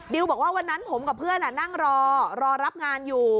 บอกว่าวันนั้นผมกับเพื่อนนั่งรอรอรับงานอยู่